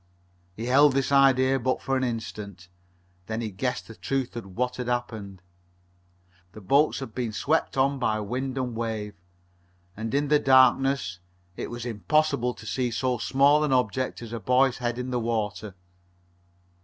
He held this idea but for an instant. Then he guessed the truth of what had happened. The boats had been swept on by wind and wave, and, in the darkness, it was impossible to see so small an object as the boy's head in the water.